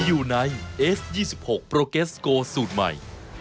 สวัสดีค่ะต้อนรับคุณบุษฎี